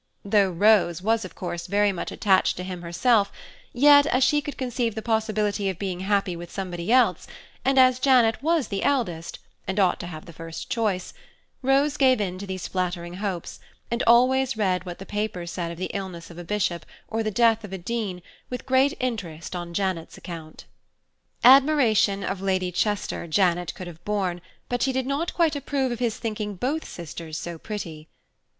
Though Rose was, of course, very much attached to him herself, yet, as she could conceive the possibility of being happy with somebody else, and as Janet was the eldest, and ought to have the first choice, Rose gave in to these flattering hopes, and always read what the papers said of the illness of a bishop, or the death of a dean, with great interest on Janet's account. Admiration of Lady Chester Janet could have borne, but she did not quite approve of his thinking both sisters so pretty.